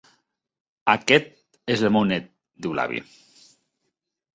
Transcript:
"Aquest és el meu net", diu l'avi.